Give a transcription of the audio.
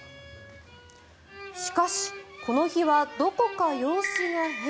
しかしこの日はどこか様子が変。